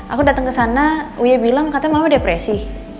aku dateng kesana uyak bilang katanya mama depresi